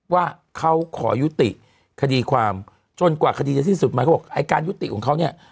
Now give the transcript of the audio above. ว่าเขาขอยุติคดีความจนกว่าคดีจะสิ้นสุดหมายความว่าไอ้การยุติของเขา